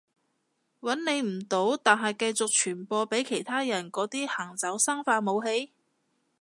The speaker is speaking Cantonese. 搵你唔到但係繼續傳播畀其他人嗰啲行走生化武器？